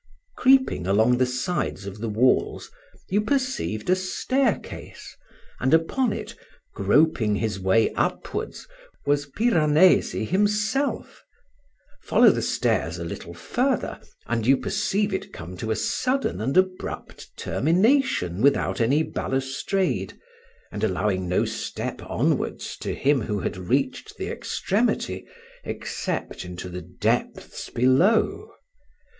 Creeping along the sides of the walls you perceived a staircase; and upon it, groping his way upwards, was Piranesi himself: follow the stairs a little further and you perceive it come to a sudden and abrupt termination without any balustrade, and allowing no step onwards to him who had reached the extremity except into the depths below.